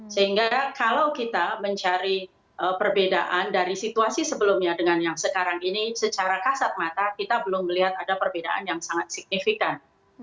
sehingga kalau kita mencari perbedaan dari situasi sebelumnya dengan yang sekarang ini secara kasat mata kita belum melihat ada perbedaan yang sangat signifikan